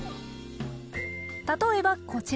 例えばこちら。